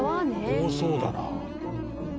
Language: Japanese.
多そうだな。